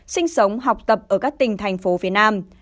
sinh sống học tập ở các tỉnh thành phố phía nam